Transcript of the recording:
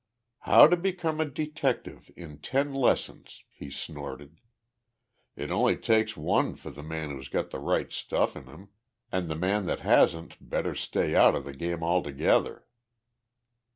"How to Become a Detective in Ten Lessons," he snorted. "It only takes one for the man who's got the right stuff in him, and the man that hasn't better stay out of the game altogether."